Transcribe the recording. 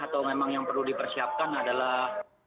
atau memang yang perlu dipersiapkan adalah